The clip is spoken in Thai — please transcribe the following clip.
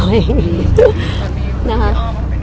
พี่ออมว่าเป็นไงบ้าง